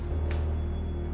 tentang apa yang terjadi